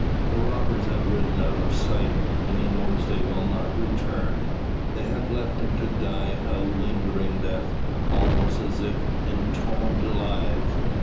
The robbers have ridden out of sight, and he knows they will not return. They have left him to die a lingering death, almost as if entombed alive.